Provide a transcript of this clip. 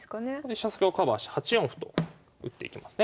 飛車先をカバーして８四歩と打っていきますね。